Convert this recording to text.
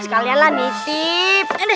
sekalian lah ditip